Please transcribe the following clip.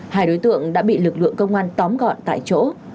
hai đối tượng đã bị lực lượng công an tóm gọn tại chỗ